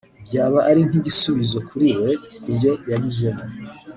byaba ari nk’igisubizo kuri we ku byo yanyuzemo